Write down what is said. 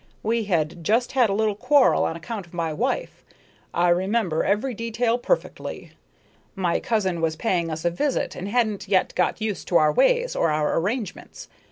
We had just had a little quarrel on account of my wife. I remember every detail perfectly. My cousin was paying us a visit and hadn't yet got used to our ways or our arrangements.